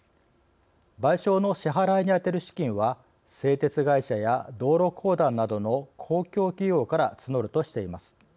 賠償の支払いに充てる資金は製鉄会社や道路公団などの公共企業から募るとしています。